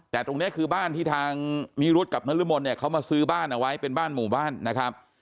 แต่ตรงนี้คือบ้านที่ทางนิรุธกับนรมนเนี่ยเขามาซื้อบ้านเอาไว้เป็นบ้านหมู่บ้านนะครับ